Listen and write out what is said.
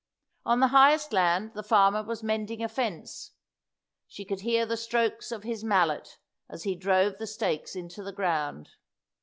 On the highest land the farmer was mending a fence. She could hear the strokes of his mallet as he drove the stakes into the ground.